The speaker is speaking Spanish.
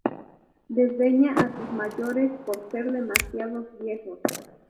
Desdeña a sus mayores por ser demasiados viejos